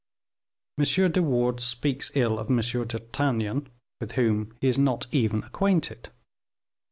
M. de Wardes speaks ill of M. d'Artagnan, with whom he is not even acquainted."